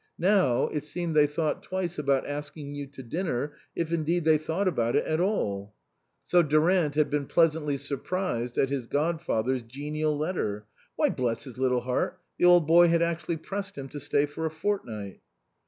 Now, it seemed they thought twice about asking you to dinner, if indeed they thought about it at all. So Durant had been pleasantly surprised at his godfather's genial letter. Why, bless his little heart, the old boy had actually pressed him to stay for a fortnight.